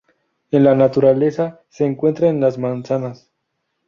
En la naturaleza, se encuentra en las manzanas.